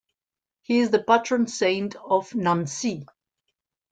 He is the patron saint of Nancy.